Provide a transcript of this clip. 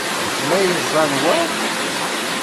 D kemm ay yeẓẓan wa?